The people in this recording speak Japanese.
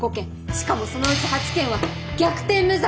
しかもそのうち８件は逆転無罪！